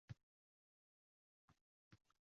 Taomlangan zahoti uxlamaslik tavsiya etiladi.